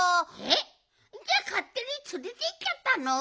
えっ？じゃあかってにつれていっちゃったの？